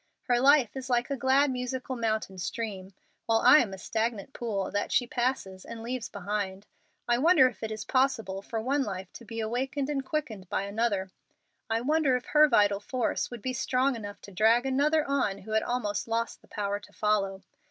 Her life is like a glad, musical mountain stream, while I am a stagnant pool that she passes and leaves behind. I wonder if it is possible for one life to be awakened and quickened by another. I wonder if her vital force would be strong enough to drag another on who had almost lost the power to follow.